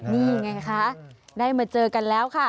นี่ไงคะได้มาเจอกันแล้วค่ะ